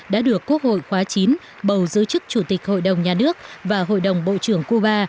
đã được quốc hội khóa chín bầu giữ chức chủ tịch hội đồng nhà nước và hội đồng bộ trưởng cuba